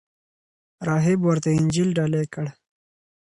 راهب ورته انجیل ډالۍ کړ.